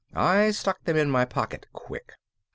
I stuck them in my pocket quick.